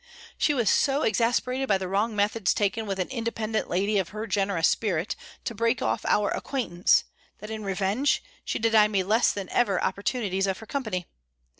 She was so exasperated by the wrong methods taken with an independent lady of her generous spirit, to break off our acquaintance, that, in revenge, she denied me less than ever opportunities of her company.